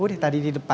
udah tadi di depan